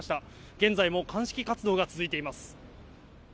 現在も鑑識活動が続いています。